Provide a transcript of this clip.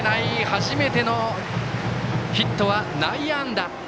初めてのヒットは内野安打。